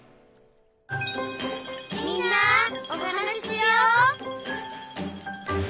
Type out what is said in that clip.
「みんなおはなししよう」